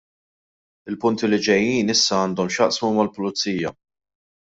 Il-punti li ġejjin issa għandhom x'jaqsmu mal-pulizija.